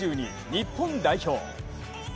日本代表。